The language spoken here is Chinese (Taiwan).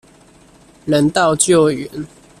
人道救援